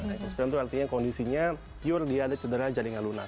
ankle sprain tuh artinya kondisinya pure dia ada cedera jaringan lunak